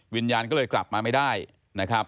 วิญญาณก็เลยกลับมาไม่ได้นะครับ